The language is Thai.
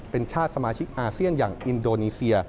เป็นชาติสมาชิกอาเซียนอย่างอินโดนีเซีย